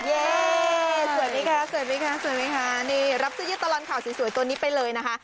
สวัสดิ์ค่ะรับเสื้อเย็ดตะลอนข่าวสวยตัวนี้ไปเลยนะคะ